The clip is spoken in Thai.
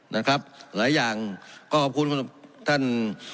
หลายอย่างก็ขอบคุณท่าน